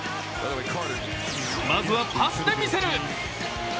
まずは、パスで見せる。